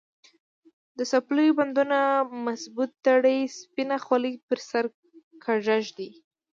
د څپلیو بندونه مضبوط تړي، سپینه خولې پر سر کږه ږدي.